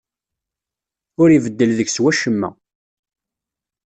Ur ibeddel deg-s wacemma.